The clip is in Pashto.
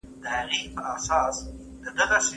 د کندهار اباديد دې طبیعي سرچینې سره تړاو لري.